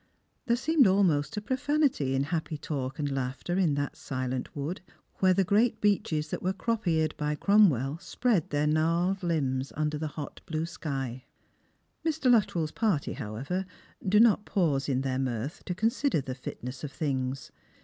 There seemed almost a profanity in happy talk and laughter in that silent wood, where the great beeches that were crop eared by Cromwell spread their gnarled Umbs under the hot blue sky. Mr. Luttrell's party, however, do not pause in their mirth to consider the fitness of things.